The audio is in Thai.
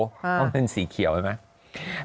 โดยเป็นสีเขียวใช่ไหม